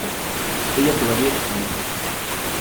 ella todavía gimió: